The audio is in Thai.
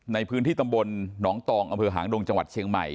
ในพื้นที่ตำบลหนองตองอำเภอหางดงจังหวัดเชียงใหม่